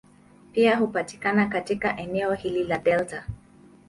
Pia hupatikana katika eneo hili la delta.